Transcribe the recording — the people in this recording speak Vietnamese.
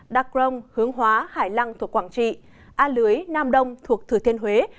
đắk rông hướng hóa hải lăng thuộc quảng trị a lưới nam đông thuộc thừa thiên huế